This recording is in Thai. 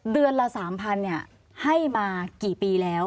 เดือนละ๓๐๐ให้มากี่ปีแล้ว